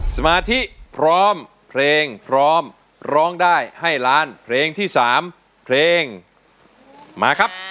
สมาธิพร้อมเพลงพร้อมร้องได้ให้ล้านเพลงที่๓เพลงมาครับ